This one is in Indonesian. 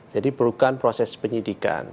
jadi perlukan proses penyelidikan